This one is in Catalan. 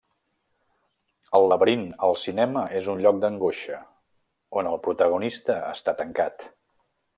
El laberint al cinema és un lloc d'angoixa, on el protagonista està tancat.